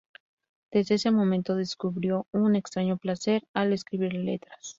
Desde ese momento descubrió un extraño placer al escribir letras.